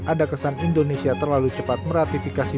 ada kesan indonesia terlalu cepat meratifikasi